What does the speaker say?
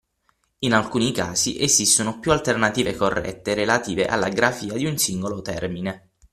In alcuni casi esistono più alternative corrette relative alla grafia di un singolo termine.